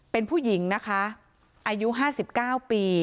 เป็นผู้หญิงนะคะอายุ๕๙ปี